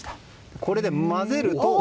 これで混ぜると。